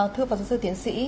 thưa phó giáo sư tiến sĩ